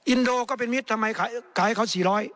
อินโดก็เป็นมิตรทำไมขายให้เขา๔๐๐